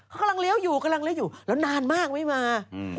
กำลังเลี้ยวอยู่แล้วนานมากไม่มา